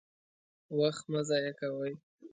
وخت مه ضايع کوئ!